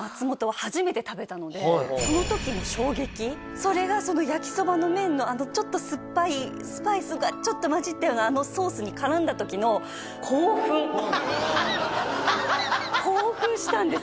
それがその焼そばの麺のちょっと酸っぱいスパイスがちょっと混じったようなあのソースに絡んだ時の興奮したんです